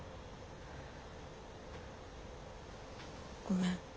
ごめん。